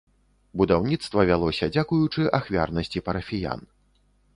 Будаўніцтва вялося дзякуючы ахвярнасці парафіян.